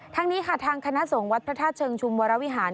ทางนี้ค่ะทางคณะส่งวัดพระท่าเชิงชุมวรวิหาร